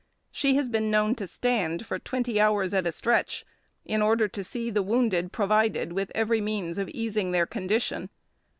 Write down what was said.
She has been known to stand for twenty hours at a stretch, in order to see the wounded provided with every means of easing their condition.